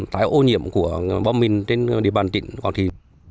tái ô nhiễm của bom mìn trên địa bàn tỉnh quảng trị